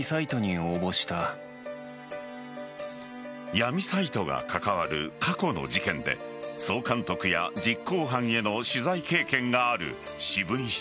闇サイトが関わる過去の事件で総監督や実行犯への取材経験がある渋井氏。